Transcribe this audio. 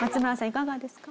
いかがですか？